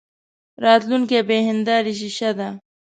راتلونکې بې هیندارې شیشه ده.